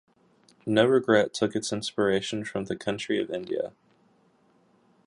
"No Regret" took its inspiration from the country of India.